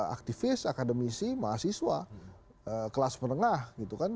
aktivis akademisi mahasiswa kelas menengah gitu kan